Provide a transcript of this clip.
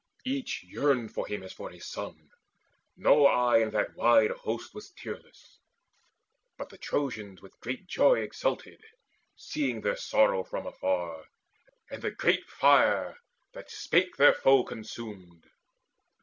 Each yearned for him As for a son; no eye in that wide host Was tearless. But the Trojans with great joy Exulted, seeing their sorrow from afar, And the great fire that spake their foe consumed.